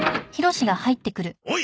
おい！